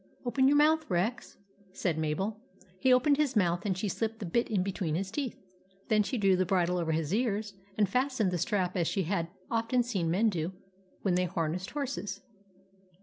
11 Open your mouth, Rex," said Mabel. He opened his mouth, and she slipped the bit in between his teeth. Then she drew the bridle over his ears and fastened the strap as she had often seen men do when they har nessed horses.